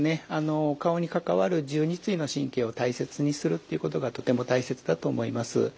お顔に関わる１２対の神経を大切にするっていうことがとても大切だと思います。